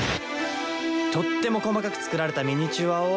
とっても細かく作られたミニチュアを。